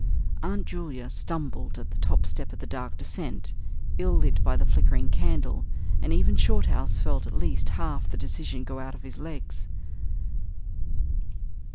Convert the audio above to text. Aunt Julia stumbled at the top step of the dark descent, ill lit by the flickering candle, and even Shorthouse felt at least half the decision go out of his legs.